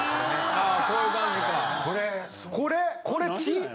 ああこういう感じか。